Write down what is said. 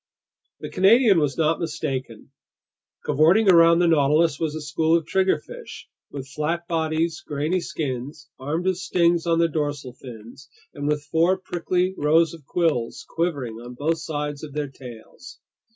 The Canadian was not mistaken. Cavorting around the Nautilus was a school of triggerfish with flat bodies, grainy skins, armed with stings on their dorsal fins, and with four prickly rows of quills quivering on both sides of their tails.